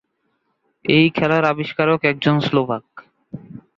এই খেলার আবিষ্কারক একজন স্লোভাক।